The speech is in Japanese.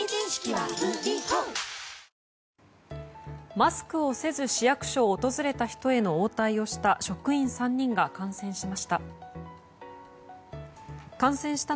マスクをせず市役所を訪れた人への応対をした職員３人が感染しました。